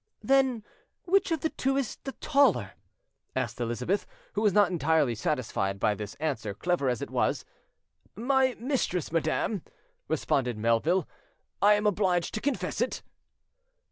"Then which of the two is the taller?" asked Elizabeth, who was not entirely satisfied by this answer, clever as it was. "My mistress, madam," responded Melville; "I am obliged to confess it."